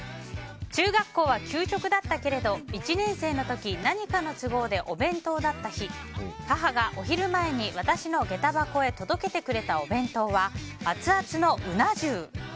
中学校は給食だったけれども１年生の時何かの都合でお弁当だった日母がお昼前に私の下駄箱へ届けてくれたお弁当はアツアツのうな重。